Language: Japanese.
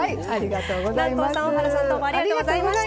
南光さん大原さんどうもありがとうございました。